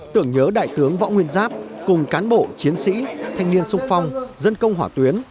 tưởng nhớ đại tướng võ nguyên giáp cùng cán bộ chiến sĩ thanh niên sung phong dân công hỏa tuyến